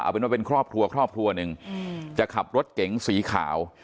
เป็นว่าเป็นครอบครัวครอบครัวหนึ่งจะขับรถเก๋งสีขาว